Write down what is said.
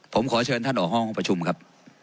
ผมขอเชิญท่านออกห้องประชุมครับ